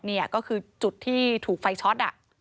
นี่ก็คือจุดที่ถูกไฟช็อต